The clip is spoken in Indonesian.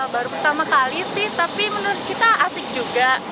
baru pertama kali sih tapi menurut kita asik juga